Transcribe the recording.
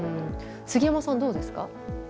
杉山さんどうですか？